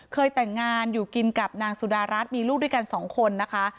เคยแต่งงานอยู่กินกับนางสุดารัฐมีลูกด้วยกันสองคนนะคะ